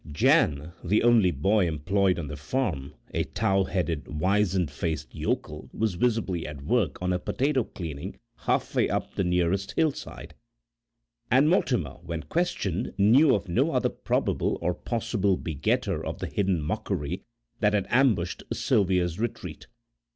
Jan, the only boy employed on the farm, a towheaded, wizen faced yokel, was visibly at work on a potato clearing half way up the nearest hill side, and Mortimer, when questioned, knew of no other probable or possible begetter of the hidden mockery that had ambushed Sylvia's retreat.